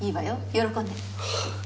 喜んで。